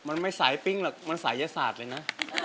มันไม่ใส่ปิ้งมันใส่ยักษาเลยนะ